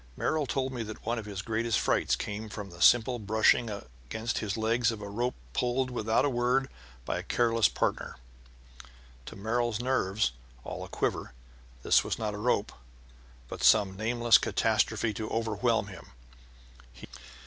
Merrill told me that one of his greatest frights came from the simple brushing against his legs of a rope pulled without a word by a careless partner. To Merrill's nerves, all a quiver, this was not a rope, but some nameless catastrophe to overwhelm him.